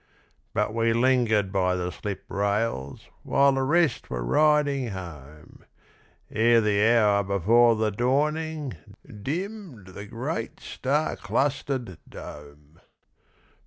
But we lingered by the slip rails While the rest were riding home, Ere the hour before the dawning, Dimmed the great star clustered dome.